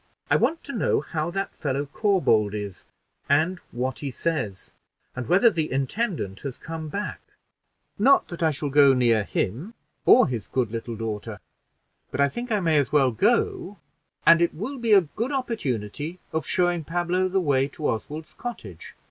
I want to know how that fellow Corbould is, and what he says; and whether the intendant has come back; not that I shall go near him or his good little daughter, but I think I may as well go, and it will be a good opportunity of showing Pablo the way to Oswald's cottage."